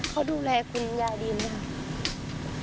เขาดูแลคุณยายดีไหมคะ